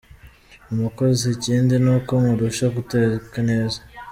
Umukozi: Ikindi ni uko nkurusha guteka neza!.